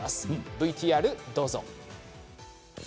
ＶＴＲ、どうぞ。